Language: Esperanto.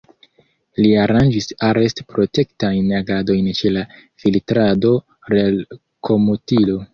Li aranĝis arest-protektajn agadojn ĉe la Filtrado-Relkomutilo.